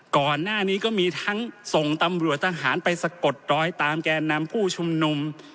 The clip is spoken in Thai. ก่อนหน้านี้ก็มีทั้งส่งตำรวจทหารไปสะกดรอยตามแกนนำผู้ชุมนุม